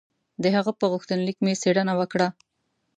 د هغه په غوښتنلیک مې څېړنه وکړه.